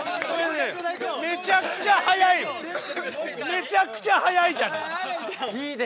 めちゃくちゃ速いじゃない。